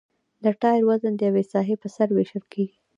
د ټایر وزن د یوې ساحې په سر ویشل کیږي